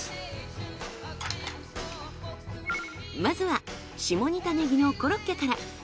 まずは下仁田ねぎのコロッケから。